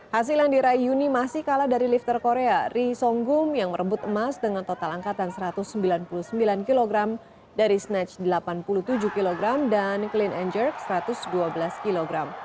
hasil yang diraih uni masih kalah dari lifter korea ri songgum yang merebut emas dengan total angkatan satu ratus sembilan puluh sembilan kg dari snatch delapan puluh tujuh kg dan clean and jerk satu ratus dua belas kg